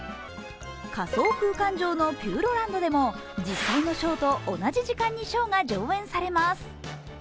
仮想空間上のピューロランドでも実際のショーと同じ時間にショーが上演されます。